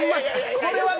これはね。